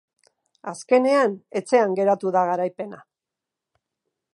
Azkenean, etxean geratu da garaipena.